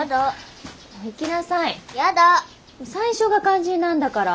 最初が肝心なんだから。